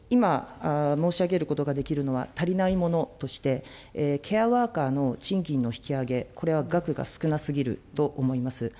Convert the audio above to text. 今、申し上げることができるのは、足りないものとして、ケアワーカーの賃金の引き上げ、これは額が少なすぎると思います。